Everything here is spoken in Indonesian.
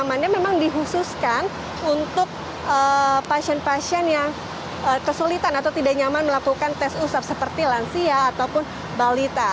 amannya memang dihususkan untuk pasien pasien yang kesulitan atau tidak nyaman melakukan tes usap seperti lansia ataupun balita